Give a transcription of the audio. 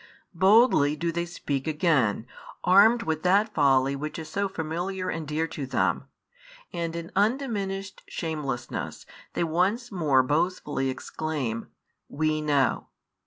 Boldly do they speak again, armed with that folly which is so familiar and dear to them; and in undiminished shamelessness they once more boastfully exclaim: We know.